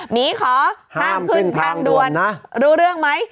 หมีขอห้ามขึ้นทางด่วนรู้เรื่องไหม